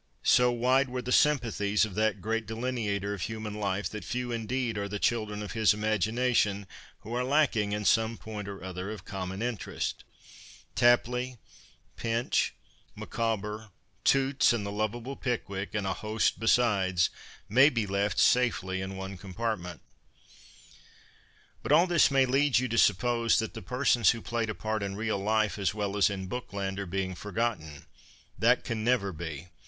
So wide were the sym pathies of that great delineator of human life that few indeed are the children of his imagination who are lacking in some point or other of common interest. Tapley, Pinch, Micawber, Toots, and the PERSONALITIES IN ' BOOKLAND ' 69 lovable Pickwick, and a host besides, may be left safely in one compartment. But all this may lead you to suppose that the persons who played a part in real life as well as in Bookland are being forgotten. That can never be.